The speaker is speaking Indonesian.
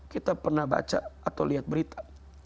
kita pernah baca atau lihat berita